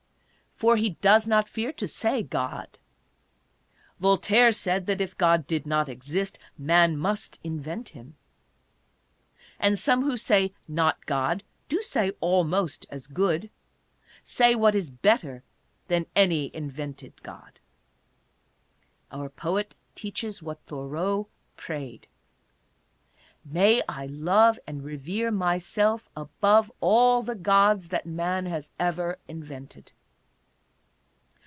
For he does not fear to say, God. Voltaire said that if God did not exist, man must invent him. And some who say not God do say almost as good, say what is better than any invented god. Our poet teaches what Thoreau prayed :" May I love and revere myself above all the gods that man has ever invented."